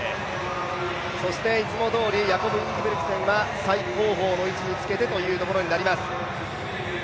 いつもどおり、ヤコブ・インゲブリクセンが最後方の位置につけてというところになります。